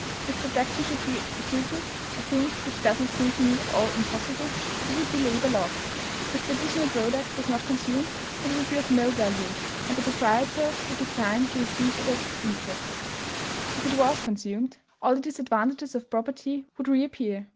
If production should be quadrupled, a thing which does not seem to me at all impossible, it would be labor lost: if the additional product was not consumed, it would be of no value, and the proprietor would decline to receive it as interest; if it was consumed, all the disadvantages of property would reappear.